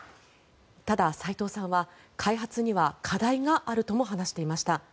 ただ、斎藤さんは開発には課題があるとも話していました。